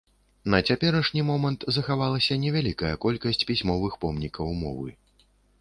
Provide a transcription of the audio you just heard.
На цяперашні момант захавалася невялікая колькасць пісьмовых помнікаў мовы.